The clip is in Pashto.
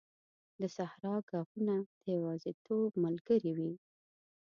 د صحرا ږغونه د یوازیتوب ملګري وي.